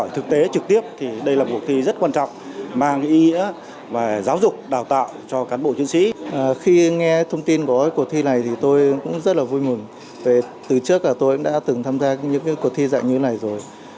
từ trước tôi đã tham gia những cuộc thi dạng như này rồi